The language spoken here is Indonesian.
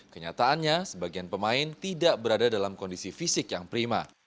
kenyataannya sebagian pemain tidak berada dalam kondisi fisik yang prima